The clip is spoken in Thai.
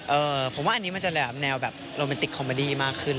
เออผมว่าอันนี้มันจะแบบแนวแบบโรแมนติกคอมเมอดี้มากขึ้น